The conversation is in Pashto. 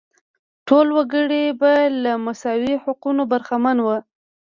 ټول وګړي به له مساوي حقونو برخمن وو.